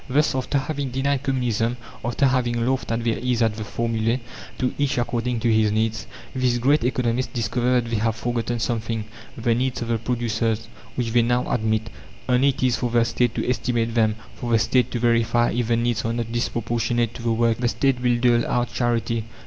Thus, after having denied Communism, after having laughed at their ease at the formula "To each according to his needs" these great economists discover that they have forgotten something, the needs of the producers, which they now admit. Only it is for the State to estimate them, for the State to verify if the needs are not disproportionate to the work. The State will dole out charity.